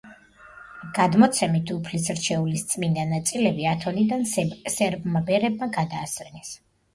გადმოცემით, უფლის რჩეულის წმინდა ნაწილები ათონიდან სერბმა ბერებმა გადაასვენეს.